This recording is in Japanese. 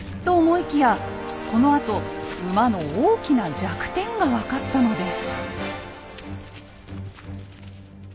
このあと馬の大きな弱点が分かったのです。